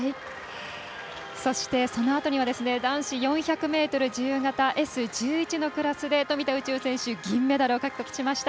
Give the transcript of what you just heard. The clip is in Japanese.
そして、そのあとには男子４００ｍ自由形Ｓ１１のクラスで富田宇宙、銀メダルを獲得しました。